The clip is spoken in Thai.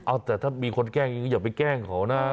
เอาแต่ถ้ามีคนแกล้งก็อย่าไปแกล้งเขานะ